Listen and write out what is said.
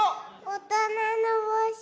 おとなのぼうし？